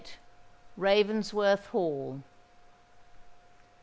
RAVENSWORTH HALL.